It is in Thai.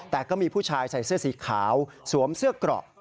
แต่ก็มีผู้ชายใส่เสื้อสีขาวสวมเสื้อเกราะ